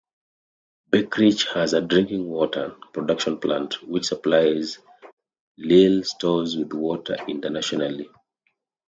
Beckerich has a drinking water production plant, which supplies Lidl Stores with water internationally.